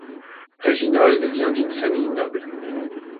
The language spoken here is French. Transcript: Reginold vient d'une famille noble.